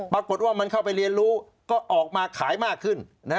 ปรากฏว่ามันเข้าไปเรียนรู้ก็ออกมาขายมากขึ้น